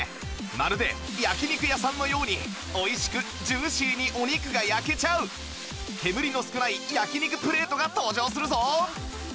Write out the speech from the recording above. まるで焼肉屋さんのように美味しくジューシーにお肉が焼けちゃう煙の少ない焼肉プレートが登場するぞ